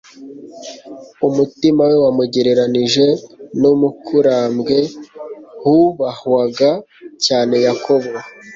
Umutima we wamugereranije n'umukurambwe wubahwaga cyane Yakobo.